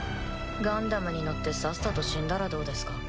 ガンダムに乗ってさっさと死んだらどうですか？